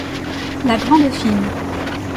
La grande fille.